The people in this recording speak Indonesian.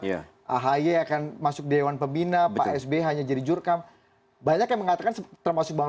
ya ahy akan masuk dewan pembina pak sby hanya jadi jurkam banyak yang mengatakan termasuk bang